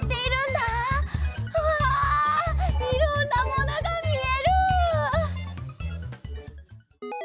うわいろんなものがみえる！